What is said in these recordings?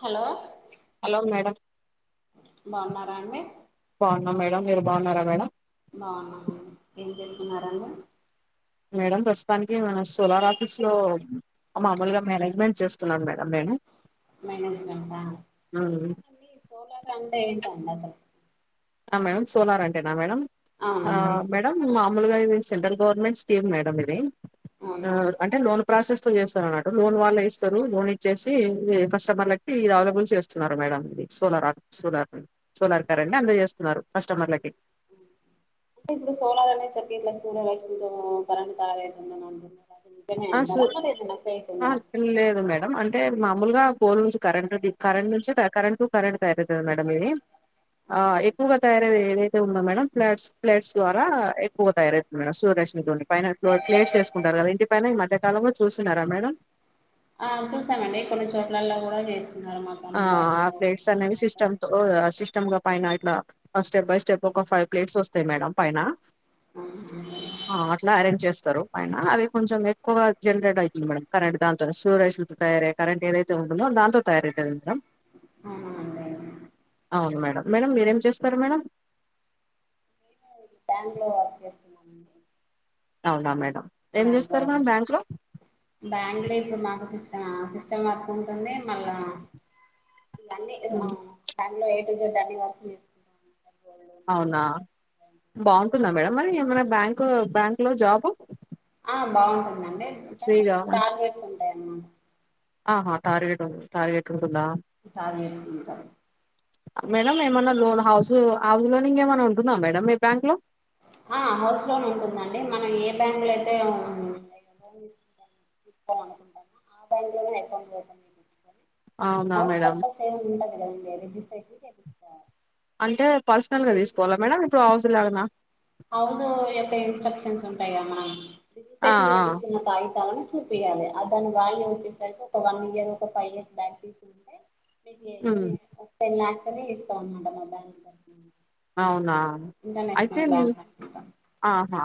Hello. Hello madam. బాగున్నారా అండి. బాగున్నాం మేడం మీరు బాగున్నారా మేడం. బాగున్నా ఏం చేస్తున్నారండి. మేడం ప్రస్తుతానికి మన సోలార్ ఆఫీస్ లో. మామూలుగా మేనేజ్మెంట్ చేస్తున్నాను మేడం నేను. మేనేజ్మెంట్ ఆ మ్మ్. సోలార్ అంటే ఏంటండి అసలు. ఆమెన్ సోలార్ అంటే నా మేడం ఆ అవునండి మేడం. మామూలుగా సెంటర్ గవర్నమెంట్ స్కీం మేడం ఇది అవునా అంటే లోనకి. ప్రాసెస్ తో చేస్తారు అన్నట్టు లోన్ వాళ్లే ఇస్తారు లోన్ ఇచ్చేసి కస్టమర్లకి ఇది అవైలబుల్ చేస్తున్నారు madam. The solar solar solar current అంతజెసుంది. అంటే ఇప్పుడు సోలార్ అనేది. [inaudible] ఆ సూర్ ఆ లేదు మేడం అంటే. మామూలుగా పోల్ నుంచి కరెంట్ కరెంట్ నుంచి కరెంట్ టు కరెంట్ తయారువుతుంది మేడంది ఇది. ఆ ఎక్కువగా తయారయ్యేది. అతే ఉందా మేడం ఫ్లాట్స్ ఫ్లాట్స్ ద్వారా ఎక్కువగా తయారైతు మేడం సూర్యేష్ ఉండి పైన ప్లేట్స్ చేసుకుంటారు కదా ఇంటి. పైన ఈ మధ్యకాలంలో చూస్తున్నారా మేడం. ఆ చూసామండి కొన్ని చోట్లల్లో కూడా చేస్త. ఆ ఆ ప్లేట్స్ అనేవి సిస్టమ్ చెప్తున్నారు సిస్టమ్. పైన ఇట్లా స్టెప్ బై స్టెప్ ఒక ఫైవ్ ప్లేట్స్ వస్తాయి మేడం పైన. ఆ అట్లా అరేంజ్ చేస్తారు. పైన అది కొంచెం ఎక్కువగా జనరేట్ అవుతుంది మేడం కరెంట్ దాంతోనె షోషల తయారే కరెంఇట్ ఏదైతే ఉంటుందో దాంతో తయార. అవునా అండి నేను అవును మేడం. మేడం మీరేం చేస్తారు మేడం బ్యాంకులో వర్క్ చేస్తానండి అవునా మేడం ఏం బ చేస్తారు మేడం బ్యాంక్ లో బంగ్ లో ఇప్పుడు మాకు సిస్ సిస్టమ్ వర్క్ ఉంటుంది మళ్ళా ఇగా అని దాంట్లో కొంచం థర్టీ ఫస్ట్ చేసుకుంటా అవునా బాగుంటుందా మేడం మరి ఏమైనా బ్యాంకు బ్యాంక్ లో జాబు ఆ బాగుంటుందండి మంచి టార్లెట్స్ ఉంటాయి అన్నమాట ఆహా టార్గెట్ ఉంది టార్గట్ ఉంది ఉంటుందా టార్గెట్స్ ఉంటాయి మేడం ఏమన్నా లోన్ హౌస్ ఆవధలోనింకేమైన్నా ఉంటుందా మేడమ్ మీ బ్యాంక్ లో ఆ హౌస్ లోన్ ఉంటుందండి మనం ఏ బ్యాంక్ లో అయితే చూసుకోవాలనుకుంటాను ఆ బ్యాంక్ లోనే అకౌంట్ ఓపెన్ చేయాలనీ మనం అవునా హౌస్ మేడం పర్పస్ ఏముండదు కదండీ రిజిస్ట్రేషన్ చేపించుకోవాలి అంటే పర్సనల్గా తీసుకోవాలా మేడమ్ ఇప్పుడు హౌస్ లేగనా హౌజ యొక్క ఇన్స్ట్రక్షన్స్ ఉంటాయి కద మనం ఆ రిజిస్ట్రేషన్ ఆ చేపించుకున్న కాయితాలను చేపియాలే అతను బాల్యం వచ్చేసరికి ఒక వన్ ఇయర్ ఒక ఫైవ్ ఇయర్స్ బ్యాక్ తీసుకుంటే మీ ఉమ్ డెలివరీ అంత ఒ టెన్ ల్యాక్స్ అన్న చేసుకోవాలన్నమాట మా బ్యాక్ అవునా ఐతే బ్యాంక్ అనుకుంటా ఆహా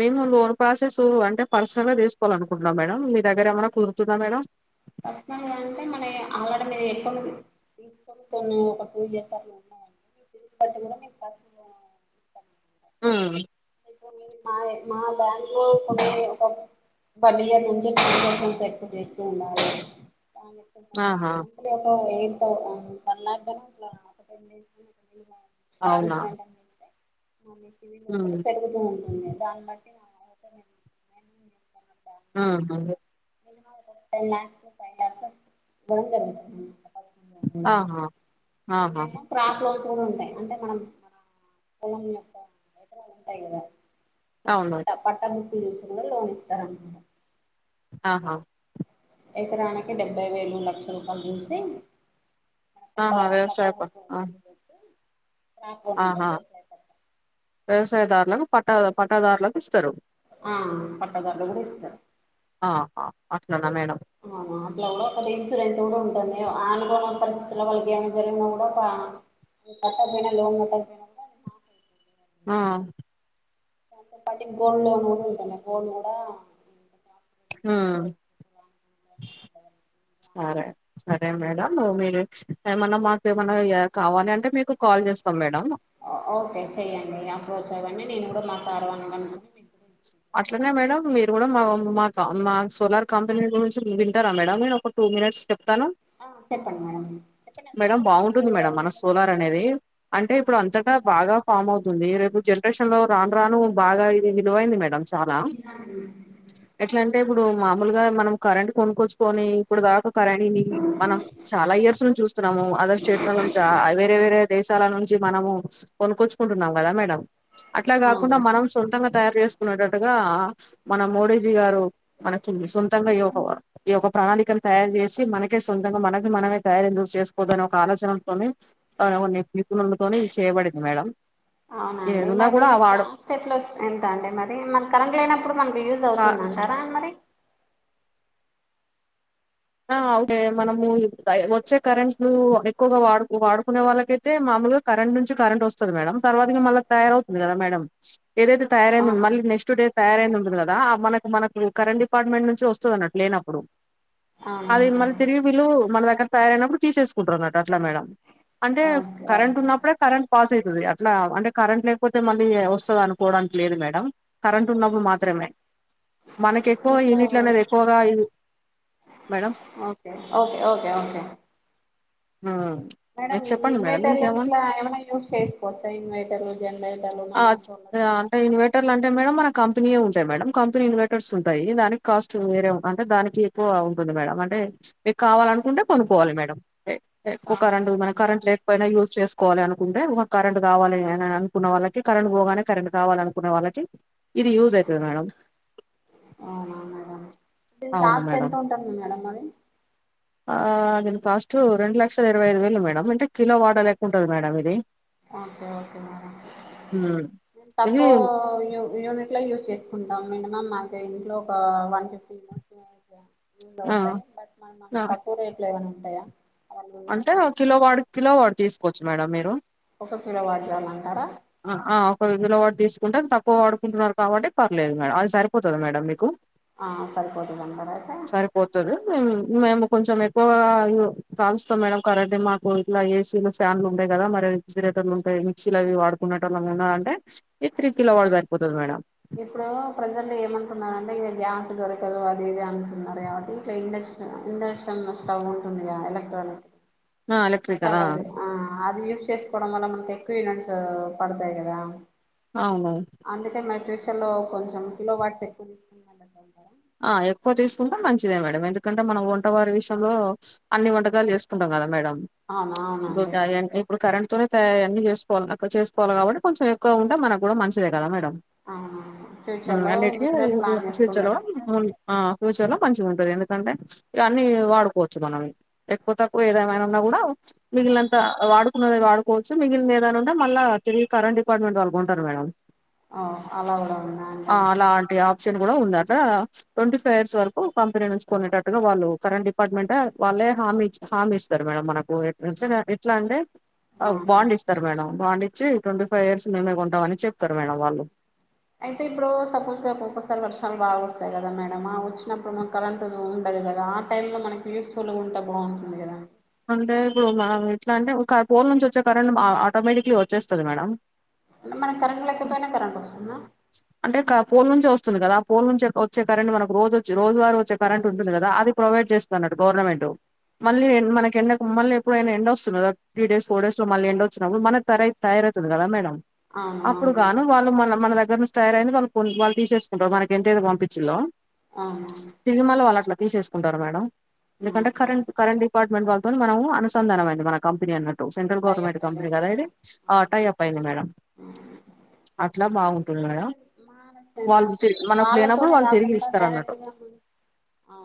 మేము లోన్ ప్రాసెస్ అంటే పర్సనల్ గా తీసుకోవాలి అనుకుంటున్నాం మేడం మీ దగ్గర ఏమైనా కుదురుతుందా మేడం పర్సనల్ గా అంటే మానై ఆల్రెడీ మీ అకౌంట్ తీసుకొని పో నువ్వు ఒక ట్వ ఇయర్స్ [unintelligible] ఇంత దూరమే [unintelligible] ఆ ఇప్పుడు నేను మాదే మా బ్యాంక్లో ఇప్పుడు నేనే వన్ ఇయర్ నుంచి [unintelligible] చెక్ తీసుకున్న ఆమె ఎక్కువ సండే ఆహా మంత్లీ అయిన సో వన్ లాక్ అయినా అట్లా ఒక టెన్ డేస్ కి అవునా [unintelligible] సివింగ్ ఒకటి ఉమ్ పెరుగుతూ ఉంటుంది దాన్ బట్టి మనం ఆహా మినిమమ్ ఒక టెన్ లక్స్ ఫైవ్ లక్స్ వస్ ఆహా ఒ ఆహా మినిమమ్ ప్రాబ్లెమ్ తోన్ ఉంటాయి అంటే మనం మన పొలం యొక్క [inaudible] ఉంటాయి కదా అవును ఈసారే రాయిస్తారానమాట ఆహా ఎకరానికి డెబ్బై వేలు లక్ష రూపాయలు చూసి ఆహా పట్ట పట్ట వ్యవసాయ ప బుక్కు ఆ దాన్ని ఆహా బట్టి [unintelligible] వ్యవసాయదారులకు పట్టా పట్టాదారులకు ఇస్తారు ఆ పట్టాదారులు కూడా ఇస్తారు ఆహా అట్లనా మేడం ఆహా అట్లా కూడా ఒక ఇన్సూరెన్స్ కూడా ఉంటది ఏమో ఆనుకూల పరిస్థితుల్లో వాళ్ళకి ఏమైనా జరిగినా కూడా వా కట్టకపోయినా లోన్ కట్టకపోయినా మాఫ్ ఆ దానితో పాటిన్ గోల్డు లోన్ [unintelligible] గోల్డ్ కూడా ఆ అ సరే సరే మేడం మీరు ఏమైనా మాకు ఏమన్నా కావాలి అంటే మీకు కాల్ చేస్త చేసాం మేడం ఓకే చెయ్యడి అప్రోచ్ అవ్వండి నేను కూడా మా సార్ వాలని కనుకొని అ అంటనే మేడం మీరు కూడా మా మా మా సోలార్ కంపెనీ గురించి వింటారా మేడం నేను ఒక టూ మినిట్స్ చె ఆ చెప్పండి మ మేడం బాగుంటుంది మేడం మన సోలార్ అనేది అంటే ఇప్పుడు అంతటా బాగా ఫామ్ అవుతుంది రేపు జ జరేషన్ లో రాను రాను బాగా విలువైంది మేడం చాలా ఇ ఎట్లా అంటే ఇప్పుడు మామూలుగా మనం కరెంట్ కొనుక్కొచ్చుకొని ఇప్పుడు దాకా కరణీని మనం చాలా ఇయర్స్ ను చూస్తున్నాము అదర్ స్టేట్ల చాల వేరే వేరే దేశాల నుంచి మనము కొనుక్కొచ్చుకుంటున్నాం కదా మేడం అట్లా కాకుండా అవునా మనం సొంతంగా తయారు చేసుకునేటట్టుగా మన మోడీజీ గారు మనకు సొంతంగా ఈ యొక్క ఈ యొక్క ప్రణాళికను తయారు చేసి మనకే సొంతంగా మనకు మనమే తయారందు చేసుకోదుని ఒక ఆలోచనతోనే అను కొన్ని పిపులతోనే ఇది చేయబడింది మేడం అవునండి ఏదున్నా మరి కూడా దీనికి హస్టెట్లో వచ్చి ఎంత అండి మరి మన కరెంట్ లేనప్పుడు మనకి యూజ్ వాడు అవుతుందింటారా మరి ఆ అకే మనము వచ్చే కరెంట్లు ఎక్కువగా వాడు వాడుకునే వాళ్ళకైతే మా కరెంట్ నుంచి కరెంట్ వస్తుంది మేడం తర్వాతగా మళ్ళా తయారవుతుంది కదా మేడడం ఏదైతే తయారై ఉంది అవునా మళీ నెక్స్ట్డే తయారైంది ఉంటంది కదా మనకి మనకు కరెంట్ డిపార్ట్మెంట్ నుంచి వస్తుంది అన్నట్టు లేనప్పుడు అది అవునండి మళ్ళీ తిరిగి వీళ్ళు మన దగ్గర తయారయినప్పుడు తీసేసుకుంటు ఉన్నట్టు అట్లా మేడం అంటే ఓకే ఓకే. కరెంట్ ఉన్నప్పుడే కరెంట్ పాస్ అవుతుంది అట్లా అంటే కరెంట్ లేకపోతే మళ్ళీ వస్తుంది అనుకోవడానికి లేదు మేడడం కరెంట్ ఉన్నప్పుడు మాత్రే మనకి ఎక్కువ ఇప్పుడు ఈయన్నిట్ల అనేది ఎక్కువగా మేడం ఓకే ఓకే ఓకే ఆ మేడం ఈ ఇన్వైటర్లు ఇట్లామన్నా యూజ్ చేసుకోవచ్చా ఇన్వైటర్లు జనర ఆ అంటే ఇన్ ర్ అంటే మేడ మన కంపెయే ఉంటాయి మేడం కంపెనీ ఇన్వర్స్ ఉంటాయి దా కాస్ట్ వేరే అంటే దానికి ఎక్కువ ఉంటుంది మేడం అంటే మీకు కావాలనుకుంటే కొనుక్కవాలి మేడం ఎక్కువ కరెంట్ సోలార్ మన కరంట్ లేకపోయినా యూజ్ చేసుకోవాలి అనుకుంటే ఒక కరెంట్ కావాలి అని అనుకున్న వాళ్ళ కరెంట్ పోగానే కరెంట్ కావాల అనుకునే వాళ్ళకి ఇది యూజ్ అయెతది మేడం అవునా మేడం అవును కాస్ట్ మేడం. ఎంత ఉంటుంది మేడం మరి ఆ దీని కాస్ట్ రెండు లక్షల ఇరవై ఐదు వేలు మేడం అంటే కిలో వాడ లేకు ఉంటది మేడం ఇది మ హ్మ్. ఇది తక్కువ యూనిట్ లో యూస్ చేస్తా ంటాం మినిమమ్ మా ఇంట్లో ఒక వన్ ఫిఫ్టీ మ ముందు ఆ! అవుతాయి బట్ మన అంత ఆ! తక్కువ రేట్లు ఏమైనా ఉంటాయా అవైలబుల్గా అంటే ఆ కిలో వాడి కిలో వా తీసుకోవచ్చు మేడం మీరు ఒక కిలో వాల్ట్ అంటారా పది వందల వాడు తీసుకుంటే తక్కువ వాడుకుంటున్నారు కాబట్టి పర్లేదు మేడం అది సరిపోతుంది మేడం మీకు ఆ సరిపోతుందంటారా అయితే సరిపోతది మేము కొంచెం ఎక్కువ కాల్ సో మేడం కరెంటే మాకు ఇలా ఏసీలో ఫ్యాన్లు ఉంటాయి కదా మరి రేఫిజరేటలు ఉంటాయి మిక్స్ీ అవి వాడుకునే వాళ్ల అంటే ఇ త్రీ కిలో వాట్స్ సరిపోతుంది మేడం ఇప్పుడు ప్రజెంట్ ఏమంటున్నారంటే ఇక గ్యాస్ దొరకదు అది ఇది అంటున్నారు కాబట్టి ఇట్లా ఇండక్షన్ ఇండక్షన్ స్టవ్ ఉంటుంది ఎలక్ట అవును ఆ ఎలక్ట్రికల్ తవదు ఆ అది వ ఎా అ మ అవును లో కొంచెం క లో వాట్స్ ఎక్కువ తీసుకు ఆ ఎక్కువ తీసుకుంటే మంచిదే మేడం ఎందుకంటే మనం వంటవారి విషయంలో అన్ని వంటకాలు చేసుకుంటాం కదా మేడం అవును ఇ అవునండి గాయంటే ఇప్పుడు కరెంట్ తూర తయార అన్నీ చేకోల చేకోవాలి కాబట్ కొంచం ఎక్కువగా ఉంటే మనకు కూడా మంచిదే కదా మేడం అవునవును ఆ ఫ్యూచర్ లో అన్నీటికి ముందే ప్లాన్ [unintelligible] చేసుకుని ఇచ్చారో పెట్టుకుంటే ఆ ఫ్యూచర్ లో మంచిగా ఉంటుంది ఎందుకంటే ఇవన్నీ వాడుకోవచ్చు మనం ఎక్కువ తక్కువ ఏదేమైనా కూడా మిగిలినంత వాడుకు వాడుకోవచ్చు మిగిలినద మళ్ళ తిరిగి కరెంట్ డిపార్ట్మెంట్ వాళ్ళు కొంటారు మేడం ఓ అలా కూడా ఉందా అండి షెట్ కూడా ఉన్నార్ కూడా ట్వంటీ ఫైవ్ ఇయర్స్ వరకు కంపెనీ నుంచి కొనేటట్గా వాళ్ళు కరంట్ డిపార్ట్మెంట్ వాళ్ళే హామీ ఇచ్ హామీ ఇస్తారు మేడం మనకు ఎట్ ఎట్లా అంటే అవునా బాండ్ ఇస్తారు మేడం బాండ్ ఇచ్చి ట్వంటీ ఫైవ్ ఇయర్స్ మేమే కొంటామని చెప్తారు మేడం వాళ్ళు అయితే ఇప్పుడు సపోజ్గా ఒక్కసారి వర్షాలు బాగా వస్తాయి కదా మేడమ్ ఆ వచ్చినప్పుడు కరెంట్ ఉండదు వెదర్ ఆ టై లో మనకి యూస్ఫుల్గా ఉంటే బాగుంటుంది కదా అంటే ఇప్పుడు మే ఇట్లా అంటే పోల్ నుంచి వచ్చే కరెంట్ ఆటోమేటిక్లీ వచ్చేస్తుంది మేడం మనకు కరంట్ లెక్కతోనే కరెంట్ వస్తుందా అంటే క పోల్ నుంచి వస్తుంది కదా ఆ పోల్ నుంచి వచ్చే కరెంట్ మనకు రోజ్ వచ్చి రోజువారి వచ్చే కరెంట్ ఉంటుంది కదా అది ప్రొవైడ్ చేస్తున్నట్టు గవర్నమెంట్ మళ్ళీ మనక్ కెన్ మళ్ళీ ఎప్పుడైనా ఎండొస్తుది కదా త్రీ డేస్ ఫోర్డేస్ లో మళ్ళ ఎండ వచ్చన్నప్పుడు మన త తయారవుతుంది కదా మేడం అవును అప్పుడు అవును గాను వాళ్ళు మన మన దగ్గర రామ్స్ అయిన వాళ్ళు వాళు తీసేసుకుంటారు మనకి ఎంతైతే పంపించిల్లో అవును తిరుమల వాళ్ళు అట్లా తీసేసుకుంటారు మేడం ఎందుకంటే అవును కరెంట్ కరెంట్ డిపార్ట్మెంట్ వాళ్ళ కొని మనం అనుసంధానమైంది మన కంపెనీ అన్నట్ సెంట్రల్ టై గవర్నమెంట్ అప్ అయి కంపెనీ కదా ఉంది అది ఆ అవును టై అప్ అయింది మేడం అట్లా బాగుంటుంది అంటే మేడం ఏ మహాలంగా వాళ్ళు అంటే తిరి మనకు లేనప్పుడు వాళ్ళతోనే వాళ్ళు తిరిగి కాకుండా ఇస్తారు అన్నట్టు డైరెక్ట్గా మ ఆ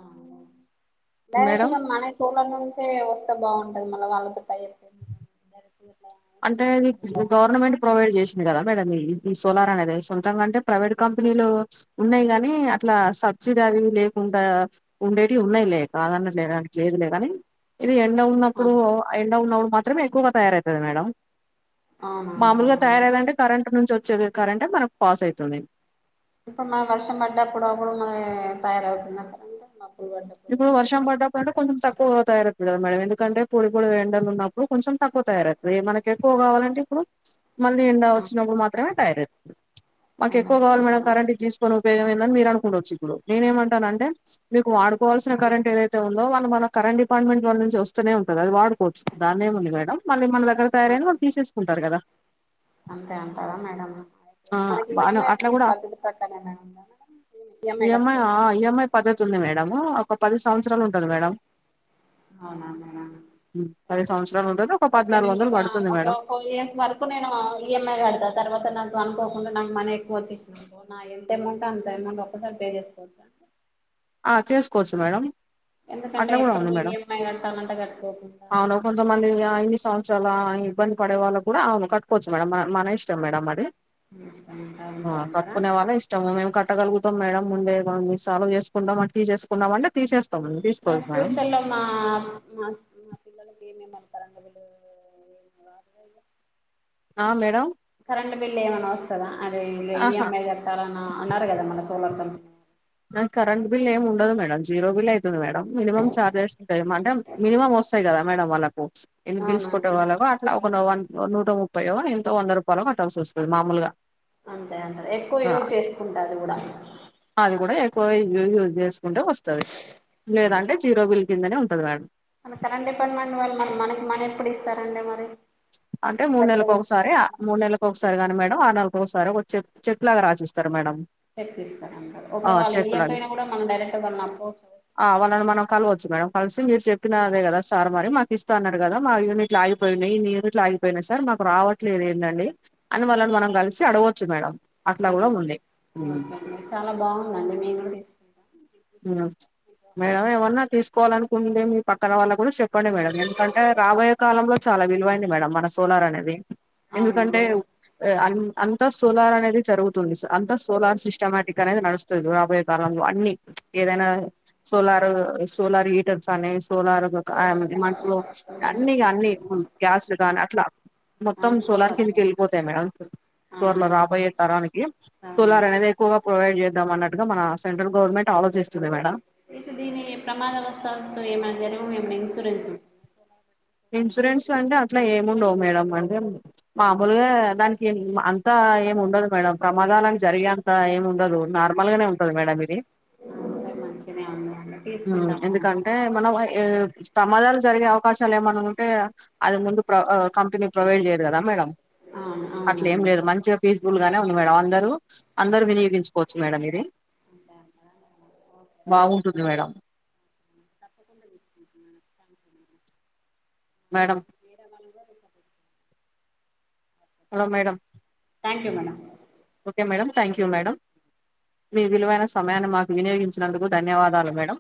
మేడం డైరెక్ట్గా మన సోలర్ నుంచే వస్త బాగుంటుది మళ్ళ వాళ్ళతో టైప్ [unintelligible] అంటేది గవర్నమెంట్ ప్రొవైడ్ చేసి కదా మేడం సోలార్ అనేది సొంతంగా అంటే ప్రైవేట్ కంపెనీలు ఉన్నాయి కాని అట్లా సబ్ చీర అవిన్ లేకుండా ఉండేటివి ఉన్నాయిలే కాదన్న లే లేదులే కాని ఇది ఎండ ఉన్నప్పుడు అవును ఎండ ఉన్నప్పుడు మాత్రమేక్కుగా తయారవుతది మేడం మామూలుగా అవునవును తయారైదంటే కరెంట్ నుంచి వచ్చేది కరెంటే మనకు పాస్ అవుతుంది ఇప్పుడు మనం వర్షం పడ్డప్పుడు అప్పుడు మన తయారవుతుంది పడ్డప్పుడు ఇప్పుడు వర్షం పడ్టప్పు కొంచెం తక్ ఎకువ తయారువుతు కదా మేడం ఎందుకంటే పొడి పొడి ఎండలు ఉన్నప్పుడు కొంచం తక్కువ తయారవుతుంది మనకి ఎక్కువ కావాలంటే ఇప్పుడు మళ్ళీ ఎండా వచ్చిన్డు మాత్రమే తారైత్ మాకు ఎక్కువ కావాలి మేడం కరెంట్ ఇచ్చేసి పోరు బేగమేంది మీరు అనుకుంటవచ్చు ఇప్పుడు నేనునేమంటా అంటే మీకు వాడు పోవాల్సిన కరంట్ ఏదైతే ఉందో వాళ్ళ మన కెంట్ డిపార్ట్మెంట్ వాళ నుంచి వస్తనే ఉంటు అది వాడుకోచ్చు దందేముంది మేడం మళ్ళీ మన దగ్గర తయారైనా వాళ్ళు తీసేసుకుంటారు కదా అంతే అంటారా మేడం ఆ మనకి బానే ఈఎంఐ అట్లా కూడా పద్ధతి ప్రకారమే మేడం ఉండాలా ఈఎంఐ ఈఎంఐ పద్ధతి ఉంది మేడం ఒక పది సంవత్సరాలు ఉంటది మేడం అవునా మేడం అది సంవత్సరాలుంటద్ ఓకే నేను ఒక ఒక ఫోర్ ఇయర్స్ వరకు నేను ఈఎంఐ కడతా తర్వాత నా అనుకోకుండా నాకు మనీ ఎక్కువ వచ్చేసిందనుకో నాయి ఎంత అమౌంటో అంత అమౌంట్ ఒక్కసారి పే చేసుకోవచ్చా ఆ చేసుకోవచ్చు మేడం ఎందుకంటే అట్లా కూడా ఉంది ఎప్పటికి మేడం ఈఎంఐ కట్టాలంటే కట్టుకోకుండా అవును కొంతమందినీ ఇన్ని సంవత్సర చాలా ఇబ్బంది పడే వాళ్ళు కూడా కట్టుకోవచ్చు మేడం మన ఇష్టం మేడం అది ఇష్టమంట ఆ అంతే అంటారా కట్టుకునే వాళ్ళ ఇష్టము మేము కట్టగలుగుతాం మేడం ముందే దో సాల్వ్ చేసుకుంటాం ఉండమని తీసేసుకుందామంటే తీసేస్ మా ఫ్యూచర్ లో మా మా పిల్లలకి ఏమేమో కలుగునో నాకు ఆ మేడం కరెంట్ బిల్ ఏమన్నా వస్తదా అరే ఇగ ఆహా ఇఎంఐ కట్టాలని అన్నారు కదా మన తెలవటం కరెంట్ బిల్ ఏమి ఉండదు మేడం జీరో బిల్ అవుతుంది మేడం మినిమం చార్జెస్ అంటే మినిమమ్ వస్తయి గదా మేడం వాళ్ళకు ప్చ్ ఎందుకు బిల్స్ కొట్టే అవునండి వాళ్ళకు అట్లా నూట ముప్పయో ఎంతో వంద రూపాయలు కట్టాల్సి వస్తుంది మామూలుగా అంతే అంటారు ఎక్కువ ఆ, యూజ్ చేసుకుంటా అది కూడా అది ఎక్కువ యూజ్ చేసుకుంటే వస్తది లేదంటే జీరో బిల్ కిందనే ఉంటది మేడం మన కరెంట్ డిపార్ట్మెంట్ వాళ్ళు మనకి మనీ ఎప్పుడు ఇస్తారండి మరి అంటే మన మూడు దగ్గర కొంటున్నారు నెలలకు ఒకసారి గాని మేడం ఆ నెల ఓకసారి ఒక చెక్ లాగా రాసి ఇస్తారు మేడం చెక్కు ఇస్తారంట ఆ ఒకవేళ వాళ్ళు చెక్ లాగా ఇయ్యపోయినా కూడా మనం డైరెక్ట్ వాళ్ళని అడుగచ్చు ఆ వాళ్ళని మనం కలవచ్చు మేడం కలిసి మీరు చెప్పినదే కదా సార్ మరి మాకు ఇస్తా అన్నారు కదా మా యూనిట్లు ఆగిపోయినాయి ఇట్లా ఆగిపోయినయ్ సార్ మాకు రావట్లేదు ఏంటండి అని వాళ్ళని మనం కలిసి అడగవచ్చు మేడం అట్లా కూడా అవునా ఉంది హ్మ్. ఓకే అండి చాలా బాగుందండి మేము తిసుకుంటమ్ మ్మ్ మేడం ఏవన్నా తీసుకు కోవాలనుకుంటే మీ పక్కన వాళ్ళ కూడా చెప్పండి మేడం ఎందుకంటే రాబోయే కాలంలో చాలా విలువైనది మేడం మన సోలార్ అనేది ఎందుకంటే అవునండి అన్ని అంతా సోలార్ అనేది జరుగుతుంది అంతా సోలార్ సిస్టమేటిక్ అనేది నడుస్తుంది రాబోయే కాలంలో అన్ని ఏదైనా సోలార్ సోలార్ హీటర్స్ అని సోలార్ ఏమంటరు అన్ని అన్ని గ్యాస్ కానీ అట్లా మొత్తం అన్ని సోలార్ కిందకి సోలత్వం వెళ్ళిపోతాయి మేడం త్వరలో అవునా రాబోయే తరానికి సోలార్ అనేది ఎక్కువగా ప్రొవైడ్ చేద్దాం అన్నట్టుగా మన సెంట్రల్ గవర్నమెంట్ ఆలోచిస్తుంది మేడం మీకు దీని ప్రమాదవశాత్తు ఎమన్నా జరిగితే ఎమన్న ఇన్సూరెన్స్ ఉంటాదా ఇన్సూరెన్స్ ఇన్సూరెన్స్ అంటే అట్లా ఏమి ఉండవు మేడం అంటే మామూలుగా దానికి అంతా ఏమి ఉండదు మేడం ప్రమాదాలు జరిగే అంత ఏమి ఉండదు నార్మల్ గానే ఉంటది మేడం ఇది ఉంటుందా అదే మంచిదే ఉంది అండి మ్మ్ తీసుకుంటాం మేడం ఎందుకంటే మనకు ప్రమాదాలు జరిగే అవకాశం ఏమన్నా ఉంటే అది ముందు కంపెనీ ప్రొవైడ్ చేయదు కదా మేడం అవును అట్ల ఏం అవునండి లేదు మంచిగా ఫీస్ ఫుల్ గానే ఉంది మేడం అందరు అందరు వినియోగించుకోవచ్చు మేడం ఇది ఉంటాను మేడం బాగుంటుంది మేడం తప్పకుండా తీసుకుంటున్నాను థ్యాంక్ యూ మేడం వేరేవాళ్లు hello madam thank you madam okay madam thank you madam మీ విలువైన సమయాన్ని మాకు వినియోగించినందుకు ధన్యవాదాలు మేడం